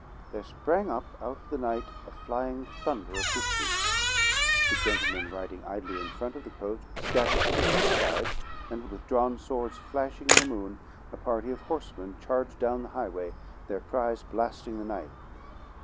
There sprang up out of the night a flying thunder of hoof beats. The gentlemen riding idly in front of the coach scattered to the hedge sides; and, with drawn swords flashing in the moon, a party of horsemen charged down the highway, their cries blasting the night.